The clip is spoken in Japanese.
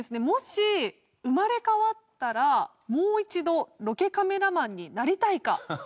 もし生まれ変わったらもう一度ロケカメラマンになりたいか？